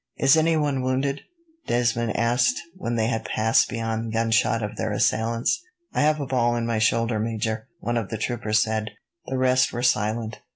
"Is anyone wounded?" Desmond asked, when they had passed beyond gunshot of their assailants. "I have a ball in my shoulder, Major," one of the troopers said. The rest were silent.